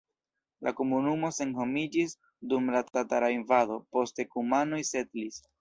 La komunumo senhomiĝis dum la tatara invado, poste kumanoj setlis.